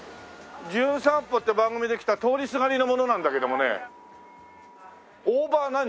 『じゅん散歩』って番組で来た通りすがりの者なんだけどもね大葉は何？